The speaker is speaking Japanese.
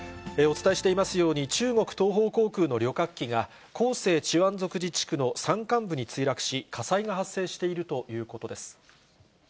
お伝えしていますように、中国東方航空の旅客機が、広西チワン族自治区の山間部に墜落し、火災が発生しているということです。